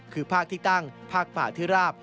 คือภาคที่ตั้งภาคป่าที่ราบ